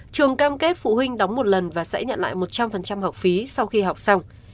trường cam kết phụ huynh đóng một lần và sẽ nhận lại một trăm linh học phí sau khi học xong